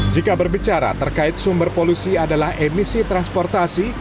jika berbicara terkait sumber polusi adalah emisi transportasi